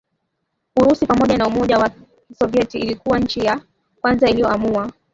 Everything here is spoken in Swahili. Urusi pamoja na Umoja wa Kisovyeti ilikuwa nchi ya kwanza iliyoamua